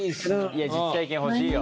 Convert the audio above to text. いや実体験欲しいよ。